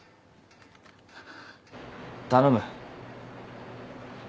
頼む。